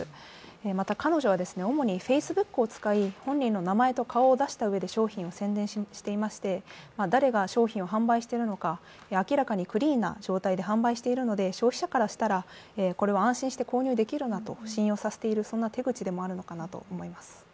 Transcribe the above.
また彼女は主にＦａｃｅｂｏｏｋを使い、本人の名前と顔を出したうえで商品を宣伝していまして、誰が商品を販売しているのか、明らかにクリーンな状態で販売しているので消費者からしたら、これは安心して購入できるなと信用させてそんな手口でもあるのかなと思います。